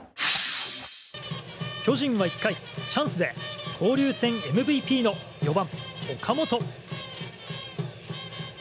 巨人は１回、チャンスで交流戦ＭＶＰの４番、岡本。